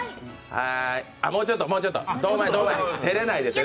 もうちょっともうちょっと、堂前、照れないで。